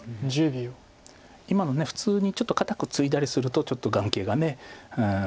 今の普通にちょっと堅くツイだりするとちょっと眼形が。